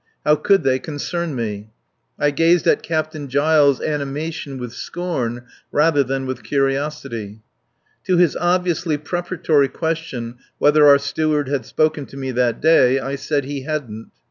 How could they concern me? I gazed at Captain Giles' animation with scorn rather than with curiosity. To his obviously preparatory question whether our Steward had spoken to me that day I said he hadn't.